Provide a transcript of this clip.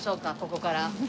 ここから。